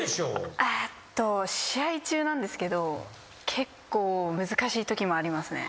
試合中なんですけど結構難しいときもありますね。